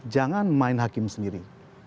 jangan main hakim sendiri